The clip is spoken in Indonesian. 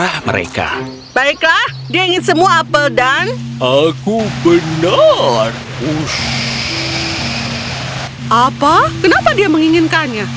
apa kenapa dia menginginkannya